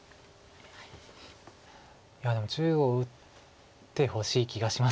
いやでも中央打ってほしい気がしますけど。